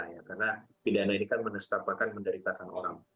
karena pidana ini kan menestapakan menderitakan orang